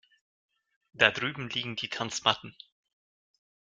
Da drüben liegen die Tanzmatten.